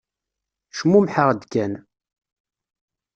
Cmumḥeɣ-d kan.